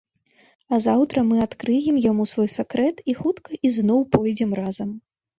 А заўтра мы адкрыем яму свой сакрэт і хутка ізноў пойдзем разам.